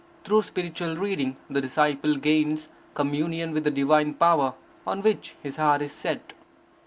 Through spiritual reading, the disciple gains communion with the divine Power on which his heart is set.